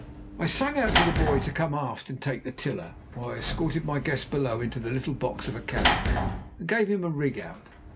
I sang out to the boy to come aft and take the tiller, while I escorted my guest below into the little box of a cabin, and gave him a rig out.